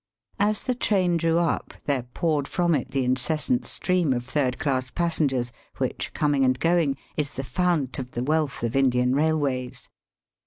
As the train drew up there poured from it the incessant stream of third class passengers which, coming and going, is the fount of the wealth of Indian railways.